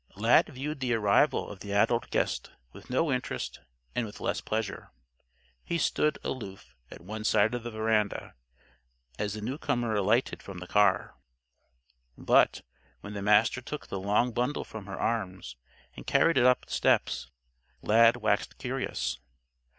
Lad viewed the arrival of the adult guest with no interest and with less pleasure. He stood, aloof, at one side of the veranda, as the newcomer alighted from the car. But, when the Master took the long bundle from her arms and carried it up the steps, Lad waxed curious.